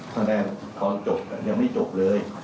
คะแนนตอนจบก็ยังไม่จบเลย